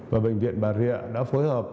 và bệnh viện bà rịa đã phối hợp